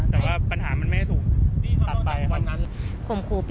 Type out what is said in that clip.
แต่ว่าปัญหามันไม่ได้ถูกตัดไปครับ